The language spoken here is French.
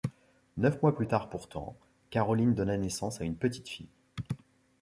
Neuf mois plus tard pourtant, Caroline donna naissance à une petite fille.